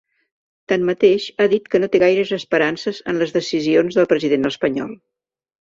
Tanmateix, ha dit que no té gaires esperances en les decisions del president espanyol.